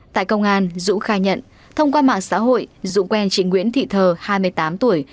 tại công an dũng khai nhận thông qua mạng xã hội dũng quen chị nguyễn thị thờ hai mươi tám tuổi